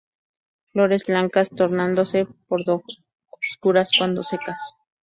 Flores blancas tornándose pardo-obscuras, cuando secas.